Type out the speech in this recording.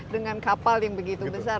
dengan kapal yang begitu besar